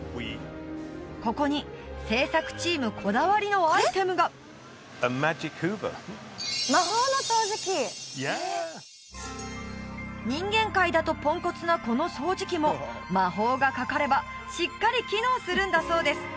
ここに制作チームこだわりのアイテムが人間界だとポンコツなこの掃除機も魔法がかかればしっかり機能するんだそうです